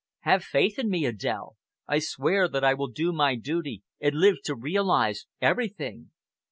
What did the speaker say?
Have faith in me, Adèle. I swear that I will do my duty and live to realize everything."